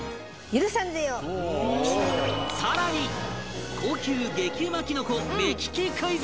更に高級激うまキノコ目利きクイズ！